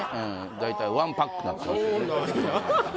大体ワンパックになってますよね